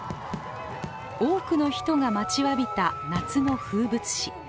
多くの人が待ちわびた夏の風物詩。